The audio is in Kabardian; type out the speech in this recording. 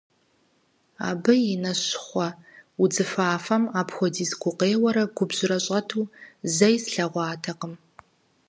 Абы и нэ щхъуэ-удзыфафэхэм апхуэдиз гукъеуэрэ губжьрэ щӀэту зэи слъэгъуатэкъым.